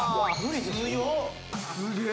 すげえ。